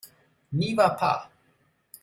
N’y va pas !